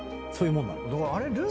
そういうもんなの？